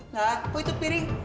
hah oh itu piring